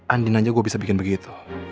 andin aja gue bisa bikin begitu